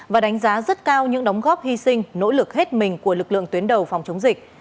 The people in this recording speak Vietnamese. và đánh giá rất cao những đóng góp hy sinh nỗ lực hết mình của lực lượng tuyến đầu phòng chống dịch